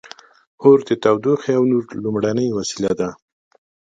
• اور د تودوخې او نور لومړنۍ وسیله وه.